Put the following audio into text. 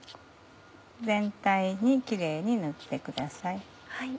全体にキレイに塗ってください。